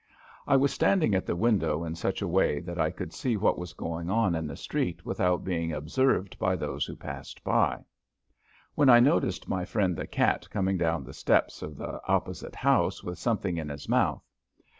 I was standing at the window in such a way that I could see what was going on in the street without being observed by those who passed by, when I noticed my friend the cat coming down the steps of the opposite house with something in his mouth.